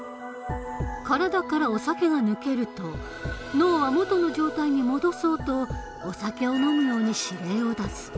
体からお酒が抜けると脳は元の状態に戻そうとお酒を飲むように指令を出す。